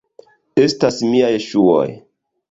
Estas miaj ŝuoj!